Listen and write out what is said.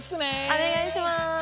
おねがいします。